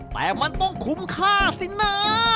แต่มันต้องคุ้มค่าสินะ